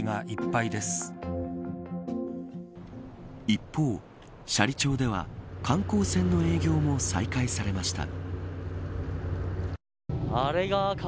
一方、斜里町では観光船の営業も再開されました。